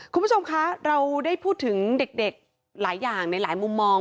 คุณผู้ชมคะเราได้พูดถึงเด็กหลายอย่างในหลายมุมมอง